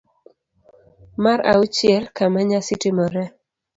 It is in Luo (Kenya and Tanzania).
mar auchiel. Kama nyasi timoree